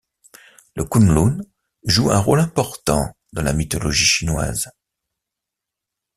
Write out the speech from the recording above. Le Kunlun joue un rôle important dans la mythologie chinoise.